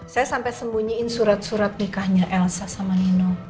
saya sampai sembunyiin surat surat nikahnya elsa sama nino